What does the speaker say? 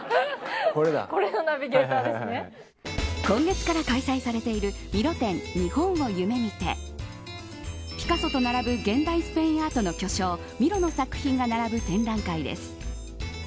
今月から開催されているミロ展‐日本を夢みてピカソと並ぶ現代スペインアートの巨匠ミロの作品が並ぶ展覧会です。